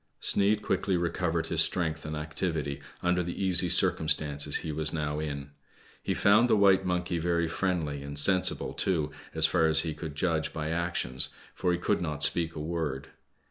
Sneid quickly recovered his strength and activity' mder the easy circumstances he was now in. He found the white monkey very friendly, and sensible too, as far as he could judge by actions, for he could not speak a word.